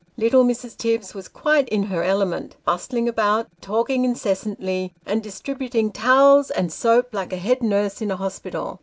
Little Mrs. Tibbs was quite in her element, bustling about, talking incessantly, and distributing towels and soap, like a head nurse in a hospital.